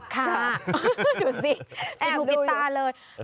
ค่ะดูสิแอร์ดูบิดตาเลย